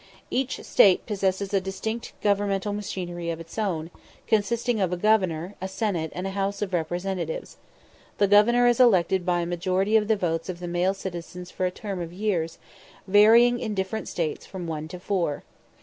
Each State possesses a distinct governmental machinery of its own, consisting of a Governor, a Senate, and a House of Representatives. The Governor is elected by a majority of the votes of the male citizens for a term of years, varying in different States from one to four.